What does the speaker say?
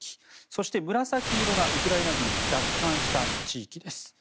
そして紫色がウクライナ軍が奪還した地域です。